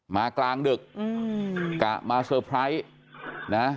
กลางดึกกะมาเซอร์ไพรส์นะ